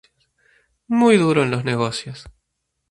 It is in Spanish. Muy duro en los negocios.